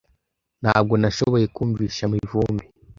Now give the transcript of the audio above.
Ntabwo nashoboye kumvisha Mivumbi .